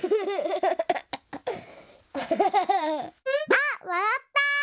あっわらった！